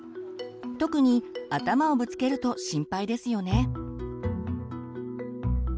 特に頭をぶつけると心配ですよね。